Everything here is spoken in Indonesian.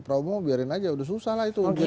promo biarin aja udah susah lah itu